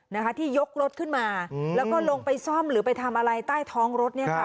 นะคะที่ยกรถขึ้นมาแล้วก็ลงไปซ่อมหรือไปทำอะไรใต้ท้องรถเนี่ยค่ะ